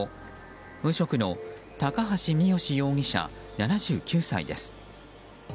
無職の高橋三好容疑者、７９歳です。